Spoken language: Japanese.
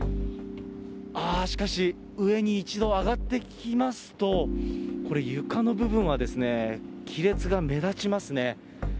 ああ、しかし、上に一度上がってきますと、これ、床の部分はですね、亀裂が目立ちますね。